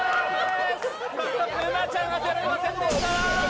沼ちゃん、当てられませんでした。